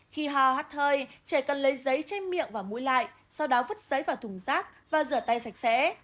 khi hò hắt hơi trẻ cần lấy giấy chay miệng và mũi lại sau đó vứt giấy vào thùng rác và rửa tay sạch sẽ